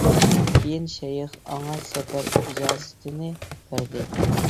كېيىن شەيخ ئاڭا سەپەر ئىجازىتىنى بەردى.